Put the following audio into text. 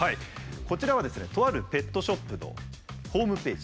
こちらはですねとあるペットショップのホームページ。